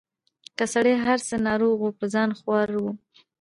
که سړی هر څه ناروغ وو په ځان خوار وو